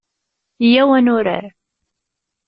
Yyaw ad nurar.